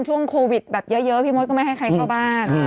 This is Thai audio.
ช่วงโควิดแบบเยอะพี่มดก็ไม่ให้ใครเข้าบ้าน